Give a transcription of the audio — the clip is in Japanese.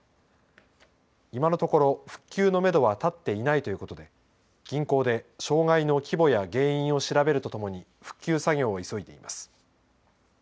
今のところ、復旧のめどは立っていないということで銀行で障害の規模や原因を調べるとともに復旧作業を急いでいます。